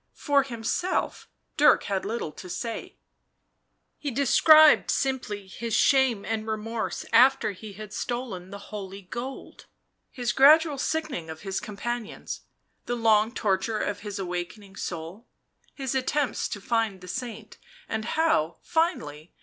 For himself Dirk had little to say ; he described simply his shame and remorse after he had stolen the holy gold, his gradual sickening of his companions, the long torture of his awakening soul, his attempts to find the saint, and how, finally